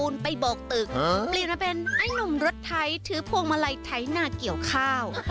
นี่ถือพวงมาลัยไทยหน้าเกี่ยวข้าว